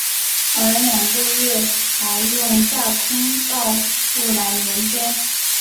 而两个月台用架空道路来连接。